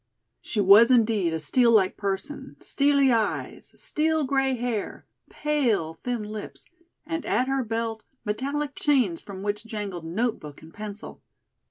She was indeed a steel like person, steely eyes, steel gray hair, pale, thin lips, and at her belt metallic chains from which jangled notebook and pencil.